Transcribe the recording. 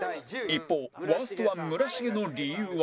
一方ワースト１村重の理由は